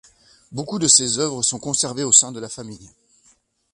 Beaucoup de ses œuvres sont conservées au sein de la famille.